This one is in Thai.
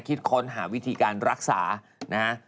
คิดค้นหาวิธีการรักษานะฮะ